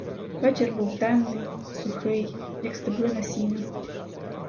Вечір був темний, сухий, як стеблина сіна.